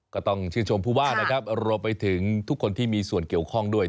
ก็ต้องชื่นชมผู้ว่านะครับรวมไปถึงทุกคนที่มีส่วนเกี่ยวข้องด้วย